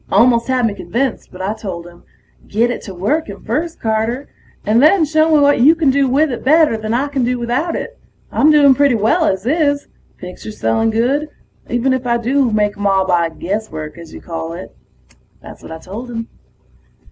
Almost had me convinced, but I told him, "Get it to working first, Carter, and then show me what you can do with it better than I can do without it. I'm doing pretty well as is ... pictures selling good, even if I do make 'em all by guesswork, as you call it." That's what I told him.